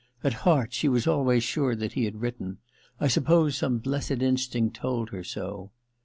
At heart she was always sure that he had written — I suppose some blessed instinct told her so.'